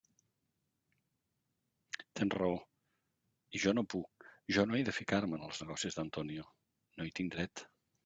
Tens raó; i jo no puc, jo no he de ficar-me en els negocis d'Antonio; no hi tinc dret.